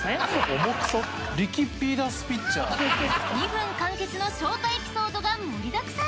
２分完結のショートエピソードが盛りだくさん。